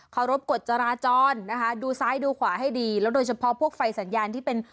รบกฎจราจรนะคะดูซ้ายดูขวาให้ดีแล้วโดยเฉพาะพวกไฟสัญญาณที่เป็น